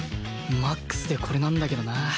マックスでこれなんだけどな